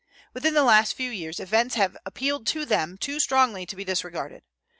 Within the last few years events have appealed to them too strongly to be disregarded.